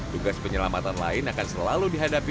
tugas penyelamatan lain akan selalu dihadapi